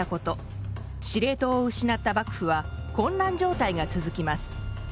司令塔を失った幕府は混乱状態が続きます。